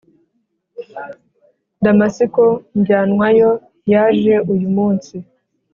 Damasiko njyanwayo yajeuyumunsi